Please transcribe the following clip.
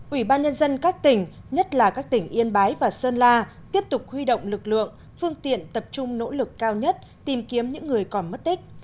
ủy ban nhân dân các tỉnh nhất là các tỉnh yên bái và sơn la tiếp tục huy động lực lượng phương tiện tập trung nỗ lực cao nhất tìm kiếm những người còn mất tích